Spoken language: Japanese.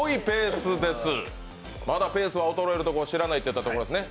まだペースは衰えるところを知らないといったところですね。